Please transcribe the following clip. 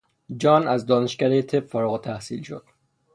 جان از دانشکدهی طب فارغ التحصیل شد.